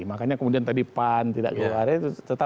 makanya kemudian tadi pan tidak gol karya itu tetap